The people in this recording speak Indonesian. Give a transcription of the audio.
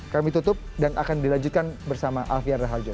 kami tutup dan akan dilanjutkan bersama alfian raharjo